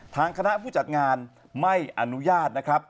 ทางคณะผู้จัดงานไม่อนุญาตนะครับ